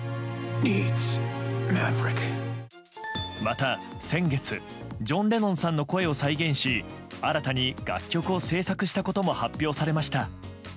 また、先月ジョン・レノンさんの声を再現し新たに楽曲を制作したことも発表されました。